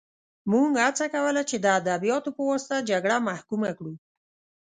موږ هڅه کوله چې د ادبیاتو په واسطه جګړه محکومه کړو